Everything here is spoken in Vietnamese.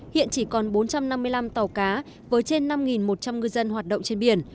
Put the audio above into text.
hiện chỉ còn bốn trăm năm mươi năm tàu cá với trên năm một trăm linh ngư dân hoạt động trên biển